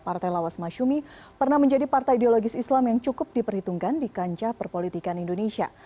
partai lawas masyumi pernah menjadi partai ideologis islam yang cukup diperhitungkan di kancah perpolitikan indonesia